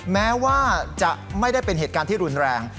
แม้ว่าจะไม่ได้เป็นเหตุการณ์ที่รุนแรง